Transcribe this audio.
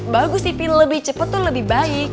bagus sih pi lebih cepet tuh lebih baik